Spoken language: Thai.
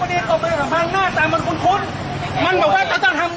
อยากมาบอกว่าห้ามกรอบรถตรงนี้